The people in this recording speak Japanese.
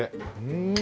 うん！